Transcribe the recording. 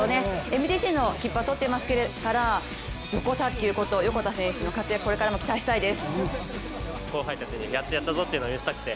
ＭＧＣの切符はとっていますから、「よこたっきゅう」こと横田選手の活躍をこれからも期待したいです。